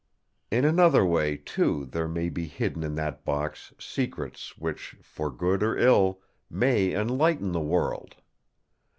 "In another way, too, there may be hidden in that box secrets which, for good or ill, may enlighten the world.